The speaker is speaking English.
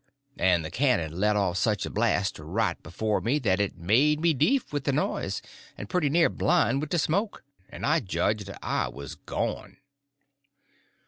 and the cannon let off such a blast right before me that it made me deef with the noise and pretty near blind with the smoke, and I judged I was gone.